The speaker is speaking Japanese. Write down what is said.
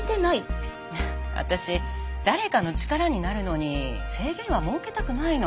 私誰かの力になるのに制限は設けたくないの。